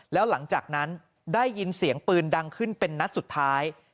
แล้วหลังจากนั้นได้ยินเสียงปืนดังขึ้นเป็นนัดสุดท้าย